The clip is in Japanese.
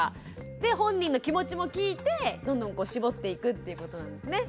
で本人の気持ちも聞いてどんどん絞っていくっていうことなんですね。